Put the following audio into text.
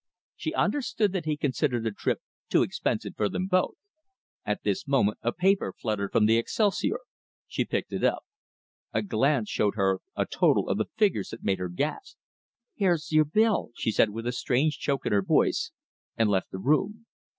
She understood that he considered the trip too expensive for them both. At this moment a paper fluttered from the excelsior. She picked it up. A glance showed her a total of figures that made her gasp. "Here is your bill," she said with a strange choke in her voice, and left the room.